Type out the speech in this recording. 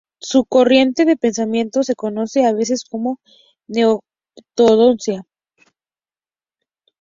Su corriente de pensamiento se conoce a veces como "neo-ortodoxia".